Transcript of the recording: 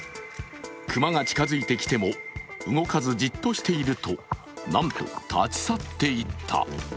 熊が近づいてきても動かずじっとしていると、なんと立ち去っていった。